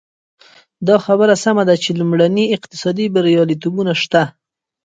دا خبره سمه ده چې لومړني اقتصادي بریالیتوبونه شته.